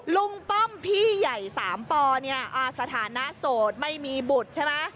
ลุงป้อมพี่ใหญ่๓ปสถานะโสดไม่มีบุตรใช่ไหม